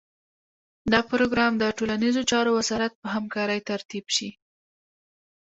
دا پروګرام د ټولنیزو چارو وزارت په همکارۍ ترتیب شي.